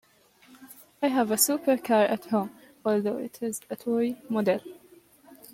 I have a supercar at home, although it is a toy model.